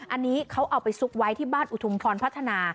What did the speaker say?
อันนี้เขาเอาไปซุกไว้ที่บ้านอุทุมพรพัฒนา